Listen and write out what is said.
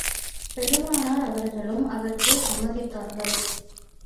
பெருமானார் அவர்களும் அதற்குச் சம்மதித்தார்கள்.